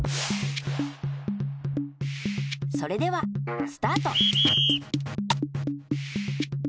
それではスタート！